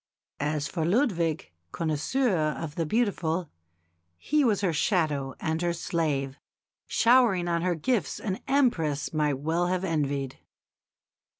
As for Ludwig, connoisseur of the beautiful, he was her shadow and her slave, showering on her gifts an Empress might well have envied.